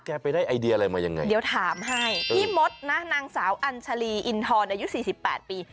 ไปได้ไอเดียอะไรมายังไงเดี๋ยวถามให้พี่มดนะนางสาวอัญชาลีอินทรอายุสี่สิบแปดปี